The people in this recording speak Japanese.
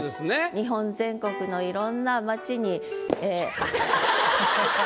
日本全国のいろんな街にええ。